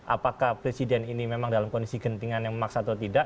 apakah presiden ini memang dalam kondisi gentingan yang memaksa atau tidak